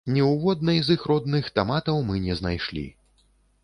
Ні ў воднай з іх родных таматаў мы не знайшлі.